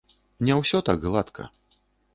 Не ўсё так гладка.